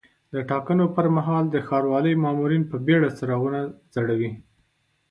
د ټاکنو پر مهال د ښاروالۍ مامورین په بیړه څراغونه ځړوي.